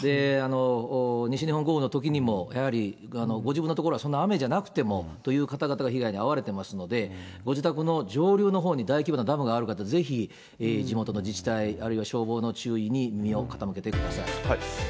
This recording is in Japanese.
西日本豪雨のときにも、やはりご自分の所はそんな雨じゃなくてもという方々が被害に遭われていますので、ご自宅の上流のほうに大規模なダムがある方、ぜひ地元の自治体、おや？